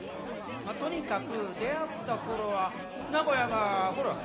まあとにかく出会ったころは名古屋がほら。